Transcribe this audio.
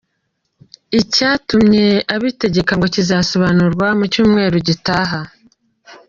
Icyatumye abitegeka ngo kizasobanurwa mu cyumweru gitaha.